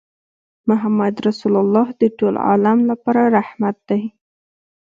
محمدُ رَّسول الله د ټول عالم لپاره رحمت دی